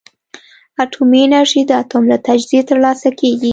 اټومي انرژي د اتوم له تجزیې ترلاسه کېږي.